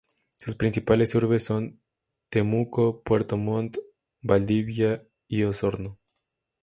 Sus principales urbes son Temuco, Puerto Montt, Valdivia y Osorno.